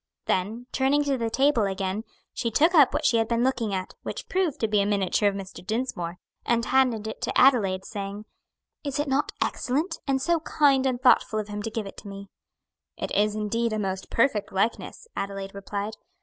Then, turning to the table again, she took up what she had been looking at which proved to be a miniature of Mr. Dinsmore and handed it to Adelaide, saying, "Is it not excellent? and so kind and thoughtful of him to give it to me." "It is indeed a most perfect likeness," Adelaide replied.